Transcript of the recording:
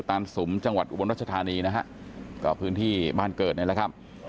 ตานสุมจังหวัดอุบลรัชธานีนะฮะก็พื้นที่บ้านเกิดนี่แหละครับ